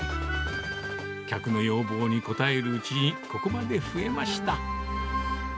客の要望に応えるうちに、ここまで増えました。